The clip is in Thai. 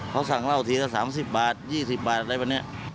เขาสั่งเหล้าทีละ๓๐บาท๒๐บาทอะไรแบบนี้